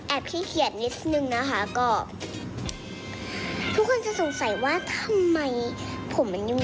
ขี้เกียจนิดนึงนะคะก็ทุกคนจะสงสัยว่าทำไมผมมันยุ่ง